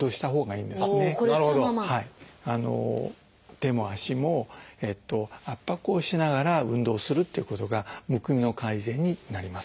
手も足も圧迫をしながら運動するっていうことがむくみの改善になります。